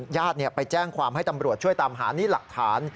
ญาติไปแจ้งความให้ตำรวจช่วยตามหานี่หลักฐาน